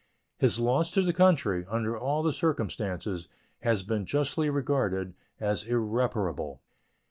His loss to the country, under all the circumstances, has been justly regarded as irreparable.